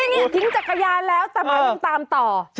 นี่ทิ้งจักรยานแล้วทำไมยังตามต่อ